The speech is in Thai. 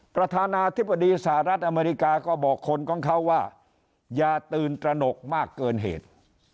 ประธานาธิบดีสหรัฐอเมริกาก็บอกคนของเขาว่าอย่าตื่นตระหนกมากเกินเหตุ